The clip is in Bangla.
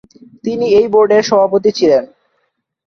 তিনি এই বোর্ডের সভাপতি ছিলেন।